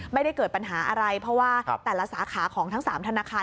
ไม่ได้เกิดปัญหาอะไรเพราะว่าแต่ละสาขาของทั้ง๓ธนาคาร